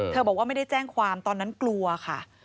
บอกว่าไม่ได้แจ้งความตอนนั้นกลัวค่ะ